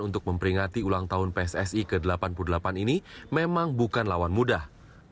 untuk memperingati ulang tahun pssi ke delapan puluh delapan ini memang bukan lawan mudah